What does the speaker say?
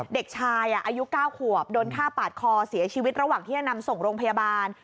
เด็กชายอายุ๙ขวบโดนฆ่าปาดคอเสียชีวิตระหว่างที่จะนำส่งโรงพยาบาล